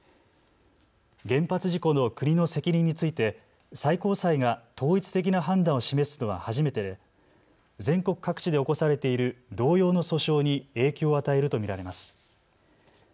原発事故の国の責任について最高裁が統一的な判断を示すのは初めてで全国各地で起こされている同様の訴訟に影響を与えると見られます。